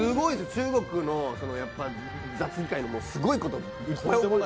中国の雑技界のすごいこと。